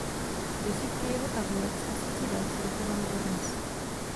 Desítky jeho tabulek s tisíci dat se dochovaly dodnes.